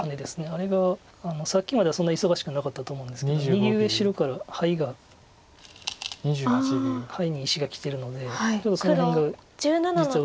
あれがさっきまではそんな忙しくなかったと思うんですけど右上白からハイがハイに石がきてるのでちょっとその辺が実は。